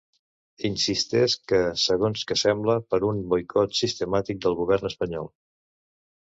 Insistesc que, segons que sembla, per un boicot sistemàtic del govern espanyol.